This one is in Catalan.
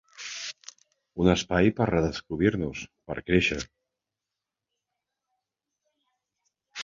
Un espai per redescobrir-nos, per créixer.